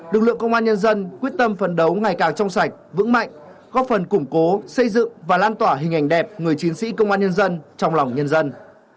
lực lượng công an nhân dân quyết tâm phấn đấu ngày càng trong sạch vững mạnh góp phần củng cố xây dựng và lan tỏa hình ảnh đẹp người chiến sĩ công an nhân dân trong lòng nhân dân